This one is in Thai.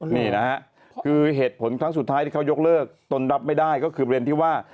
นี่นะฮะคือเหตุผลครั้งสุดท้ายที่เขายกเลิกตนรับไม่ได้ก็คือประเด็นที่ว่า